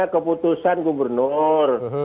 pesawat berada di luar negara